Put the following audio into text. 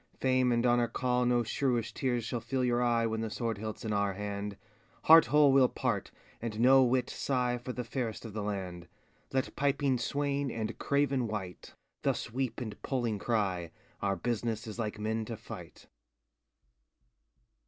Fame and Honor call No shrewish teares shall fill your eye When the sword hiltŌĆÖs in our hand, ŌĆö Heart whole weŌĆÖll part, and no whit sighe For the fayrest of the land; Let piping swaine, and craven wight, Thus weepe and poling crye, Our business is like men to fight.